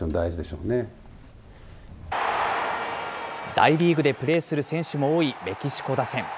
大リーグでプレーする選手も多いメキシコ打線。